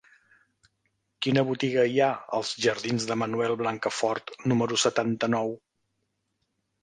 Quina botiga hi ha als jardins de Manuel Blancafort número setanta-nou?